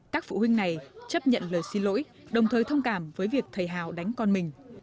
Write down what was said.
các phụ huynh này chấp nhận lời xin lỗi đồng thời thông cảm với việc thầy hào đánh con mình